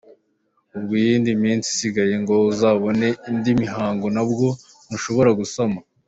Ubwo mu yindi minsi isigaye ngo uzabone indi mihango na bwo ntushobora gusama.